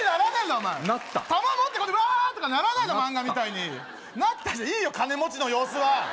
お前なった弾持って「わー」とかならないのマンガみたいに「なった」じゃいいよ金持ちの様子は！